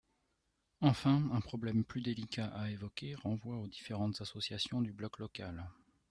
Enfin, un problème plus délicat à évoquer renvoie aux différentes associations du bloc local.